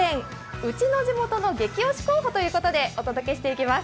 ウチの地元激推し候補！」ということでお届けしていきます。